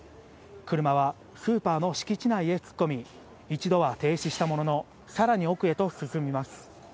車はスーパーの敷地内へ突っ込み、一度は停止したものの、さらに奥へと進みます。